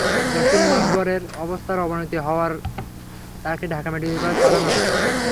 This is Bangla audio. জসিম মাদবরের অবস্থার অবনতি হওয়ায় তাঁকে ঢাকা মেডিকেল কলেজে পাঠানো হয়।